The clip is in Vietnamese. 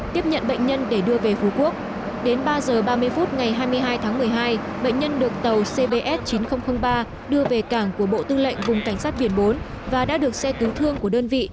tiếp nhận bệnh nhân để đưa về phú quốc đến ba h ba mươi phút ngày hai mươi hai tháng một mươi hai bệnh nhân được tàu cbs chín nghìn ba đưa về cảng của bộ tư lệnh vùng cảnh sát biển bốn và đã được xe cứu thương của đơn vị